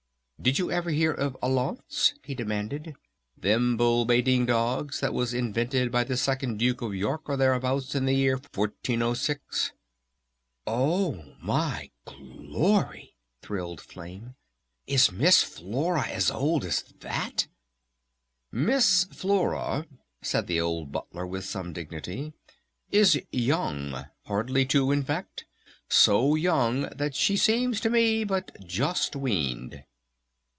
Did you never hear of alauntes?" he demanded. "Them bull baiting dogs that was invented by the second Duke of York or thereabouts in the year 1406?" "Oh my Glory!" thrilled Flame. "Is Miss Flora as old as that?" "Miss Flora," said the old Butler with some dignity, "is young hardly two in fact so young that she seems to me but just weaned."